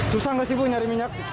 susah gak sih ibu nyari minyak